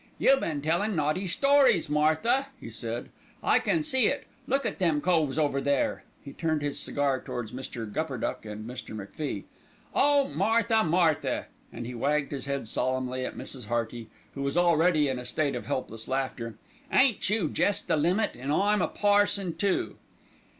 "You been tellin' naughty stories, Martha," he said, "I can see it. Look at them coves over there"; he turned his cigar towards Mr. Gupperduck and Mr. MacFie. "Oh, Martha, Martha!" and he wagged his head solemnly at Mrs. Hearty, who was already in a state of helpless laughter, "ain't you jest the limit, and 'im a parson, too."